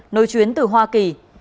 nối chuyến từ hoa kỳ